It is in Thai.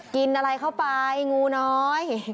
กินอะไรเข้าไปงูน้อย